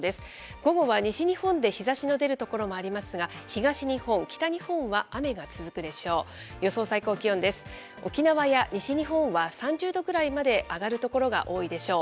午後は西日本で日ざしの出る所もありますが、東日本、北日本は雨が続くでしょう。